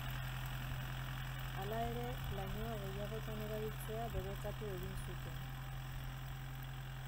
Hala ere, lainoa gehiagotan erabiltzea debekatu egin zuten.